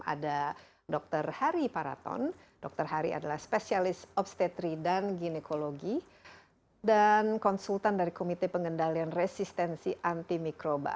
ada dr hari paraton dr hari adalah spesialis obstetri dan ginekologi dan konsultan dari komite pengendalian resistensi anti mikroba